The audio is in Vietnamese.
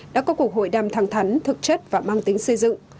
đã có cuộc hội đàm thẳng thắn thực chất và mang tính xây dựng